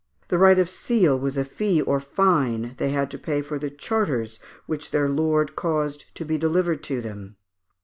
The right of seal was a fee or fine they had to pay for the charters which their lord caused to be delivered to them.